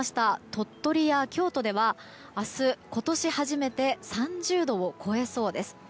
鳥取や京都では明日、今年初めて３０度を超えそうです。